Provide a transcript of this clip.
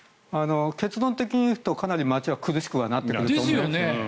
結論的に言うとかなり町は苦しくなってくると思います。